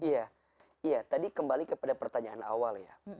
iya iya tadi kembali kepada pertanyaan awal ya